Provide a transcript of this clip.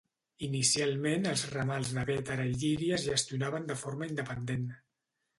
Inicialment els ramals de Bétera i Llíria es gestionaven de forma independent.